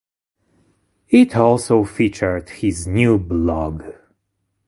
It also features his new blog.